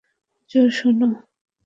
জো, শোনো।